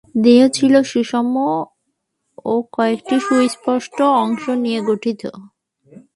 দেহ ছিল সুষম ও কয়েকটি সুস্পষ্ট অংশ নিয়ে গঠিত।